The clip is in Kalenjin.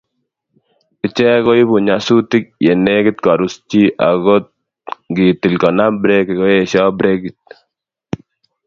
Ichek koibu nyasutik ye negit korus chi agot ngitil konam breki koeshoo brekit